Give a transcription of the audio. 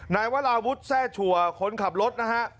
นายวราวุฒิแซ่ชัวร์คนขับรถนะฮะ